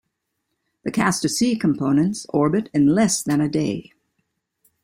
The Castor C components orbit in less than a day.